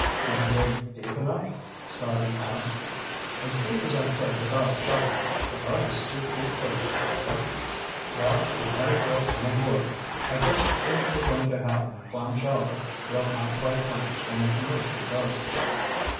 "Did you dig deep enough?" Scotty asked. "As deep as I could without a shovel. The mud is two feet thick down there." "Well, you might as well come aboard. I guess if we're going to have clam chowder, we'll have to buy clams from a commercial boat."